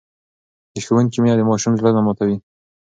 د ښوونکي مینه د ماشوم زړه نه ماتوي.